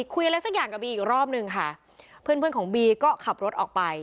คุยอะไรสักอย่างกับบีอีกรอบนึงค่ะเพื่อนเพื่อนของบีก็ขับรถออกไป